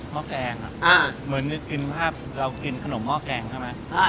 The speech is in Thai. ห้อแกงเหมือนจะกินภาพเรากินขนมหม้อแกงใช่ไหม